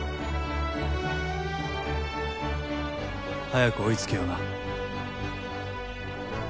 「早く追いつけよな」